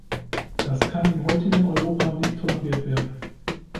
Das kann im heutigen Europa nicht toleriert werden.